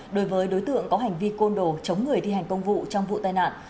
đối với đối tượng có hành vi côn đồ chống người thi hành công vụ trong vụ tai nạn